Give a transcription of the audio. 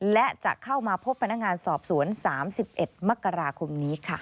และจะเข้ามาพบพนักงานสอบสวน๓๑มกราคมนี้ค่ะ